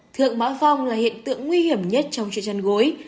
thượng mã phong là hiện tượng nguy hiểm nhất trong chuyện chăn gối